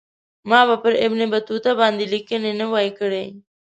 ما به پر ابن بطوطه باندې لیکنه نه وای کړې.